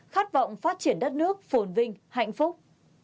khát vọng phát triển đất nước phồn vinh hạnh phúc